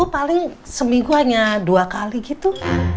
paling seminggu hanya dua kali gitu